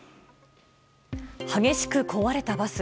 激しく壊れたバス。